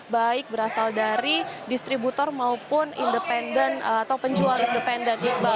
baik berasal dari distributor maupun penjual independen